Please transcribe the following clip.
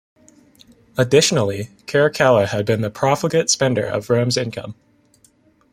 Additionally, Caracalla had been a profligate spender of Rome's income.